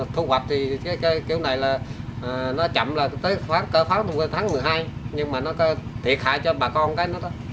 thu hoạch thì kiểu này là nó chậm là tới khoảng tháng một mươi hai nhưng mà nó có thiệt hại cho bà con cái nữa đó